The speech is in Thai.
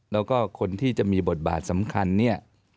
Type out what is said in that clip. แล้วก็คนที่จะมีบทบาทสำคัญเนี่ย